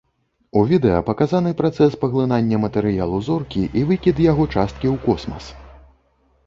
У відэа паказаны працэс паглынання матэрыялу зоркі і выкід яго часткі ў космас.